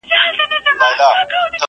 دا لالونه، غرونه، غرونه دمن زما دی.!